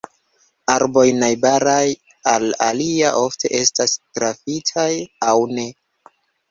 Arboj najbaraj al alia ofte estas trafitaj aŭ ne.